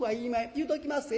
言うときまっせ。